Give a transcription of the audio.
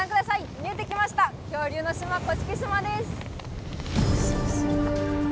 見えてきました、恐竜の島、甑島です。